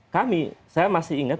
kami saya masih ingat